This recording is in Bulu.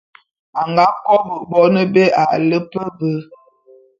A nga kobô bone bé a lepe be.